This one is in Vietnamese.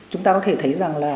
chúng ta có thể thấy